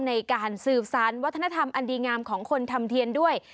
ในการสืบสารวัฒนธรรมอันดีงามของคนทำเทียนด้วย